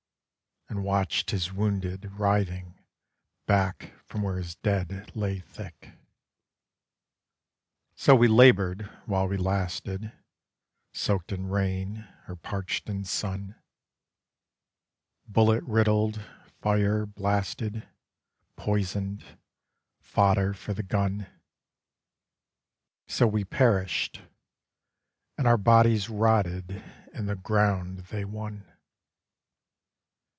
and watched his wounded writhing back from where his dead lay thick. So we laboured while we lasted: Soaked in rain or parched in sun; Bullet riddled; fire blasted; Poisoned: fodder for the gun: So we perished, and our bodies rotted in the ground they won.